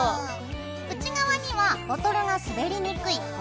内側にはボトルが滑りにくい合皮を貼るよ。